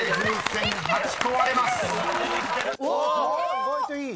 意外といい。